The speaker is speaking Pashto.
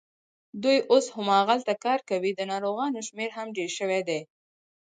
دوی اوس هماغلته کار کوي، د ناروغانو شمېر هم ډېر شوی دی.